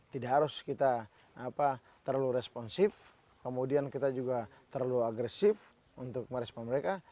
tidak harus kita terlalu responsif kemudian kita juga terlalu agresif untuk merespon mereka